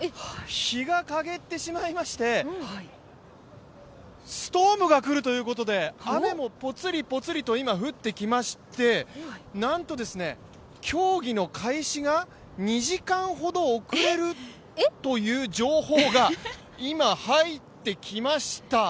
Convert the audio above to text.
日が陰ってしまいましてストームがくるということで雨もぽつりぽつりと今、降ってきましてなんと競技の開始が２時間ほど遅れるという情報が今、入ってきました。